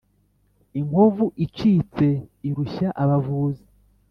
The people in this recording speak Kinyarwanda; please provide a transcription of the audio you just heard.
Inkovu icitse irushya abavuzi.